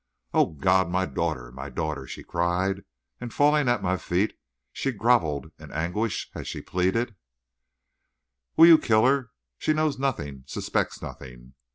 "Oh, God! my daughter, my daughter!" she cried. And falling at my feet, she groveled in anguish as she pleaded: "Will you kill her? She knows nothing, suspects nothing.